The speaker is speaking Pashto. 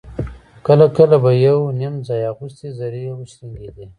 کله کله به يو _نيم ځای اغوستې زرې وشرنګېدې.